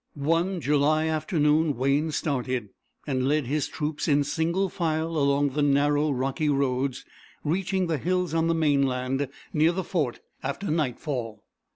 One July afternoon Wayne started, and led his troops in single file along the narrow rocky roads, reaching the hills on the mainland near the fort after nightfall.